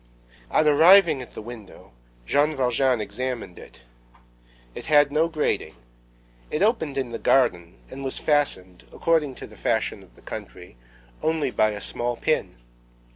On arriving at the window, Jean Valjean examined it. It had no grating; it opened in the garden and was fastened, according to the fashion of the country, only by a small pin.